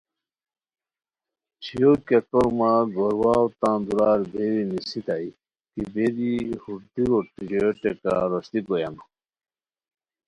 چھویو کیہ کورمہ گور واؤ تان دُورار بیری نیسیتائے کی بیری ہور دُورو ژویو ٹیکہ روشتی گویان